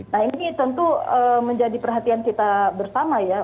nah ini tentu menjadi perhatian kita bersama ya